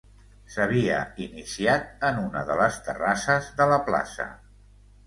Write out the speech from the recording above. S’havia iniciat en una de les terrasses de la plaça.